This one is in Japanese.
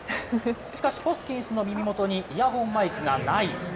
しかし、ホスキンスの耳元にイヤホンマイクがない。